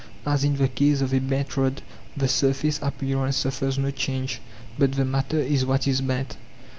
as in the case of a bent rod the surface appearance suffers no change, but the matter is what is bent.